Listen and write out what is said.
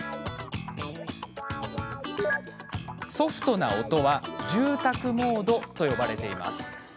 ソフトな音は住宅モードと呼ばれています。